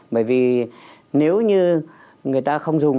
bởi vì nếu như người ta không dùng